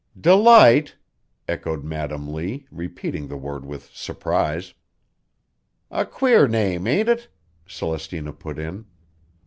"Delight!" echoed Madam Lee, repeating the word with surprise. "A queer name, ain't it?" Celestina put in.